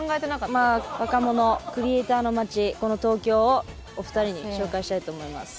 「若者クリエイターの街この東京をお二人に紹介したいと思います。